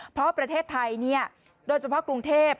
เพราะประเทศไทยโดยเฉพาะกรุงเทพ